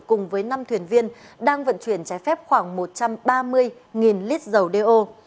cùng với năm thuyền viên đang vận chuyển trái phép khoảng một trăm ba mươi lít dầu đeo